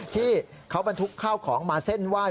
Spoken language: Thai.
ที่เขาบรรทุกข้าวของมาเส้นไหว้